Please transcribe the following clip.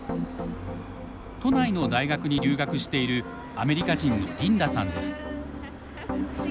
都内の大学に留学しているアメリカ人のリンダさんです。